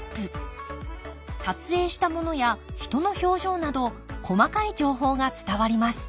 撮影したものや人の表情など細かい情報が伝わります。